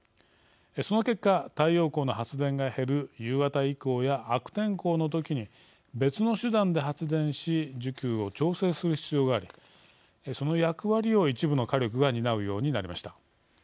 その結果、太陽光の発電が減る夕方以降や悪天候のときに別の手段で発電し需給を調整する必要がありその役割を一部の火力が担うようになりました。